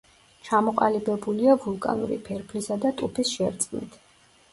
ჩამოყალიბებულია ვულკანური ფერფლისა და ტუფის შერწყმით.